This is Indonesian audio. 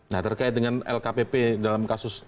nah terkait dengan lkpp dalam kasus